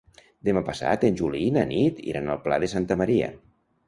Demà passat en Juli i na Nit iran al Pla de Santa Maria.